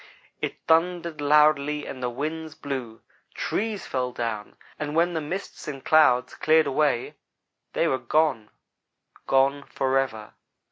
"It thundered loudly and the winds blew; trees fell down; and when the mists and clouds cleared away, they were gone gone forever.